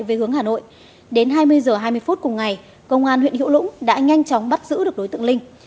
về hướng hà nội đến hai mươi h hai mươi phút cùng ngày công an huyện hữu lũng đã nhanh chóng bắt giữ được đối tượng linh